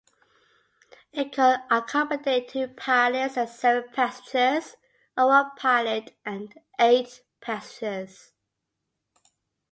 It could accommodate two pilots and seven passengers, or one pilot and eight passengers.